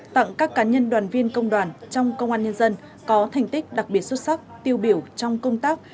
tặng các cá nhân đoàn viên công đoàn trong công an nhân dân có thành tích đặc biệt xuất sắc tiêu biểu trong công tác